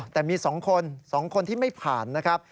แต่มี๒คน๒คนที่ไม่ผ่านนะครับ